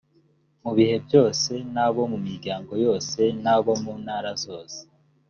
mu bihe byose n’abo mu miryango yose n’abo mu ntara zose